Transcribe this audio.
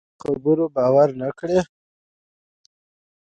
که زموږ په خبره باور نه کړې.